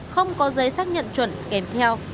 không có giấy xác nhận chuẩn kèm theo